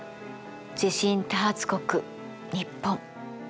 地震多発国日本。